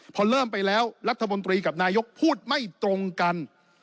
พอเริ่มไปแล้วรัฐมนตรีกับนายกพูดไม่ตรงกัน